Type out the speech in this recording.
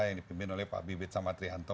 yang dipimpin oleh pak bibit samatrianto